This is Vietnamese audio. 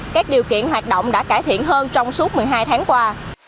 các điều kiện hoạt động đã cải thiện hơn trong suốt một mươi hai tháng qua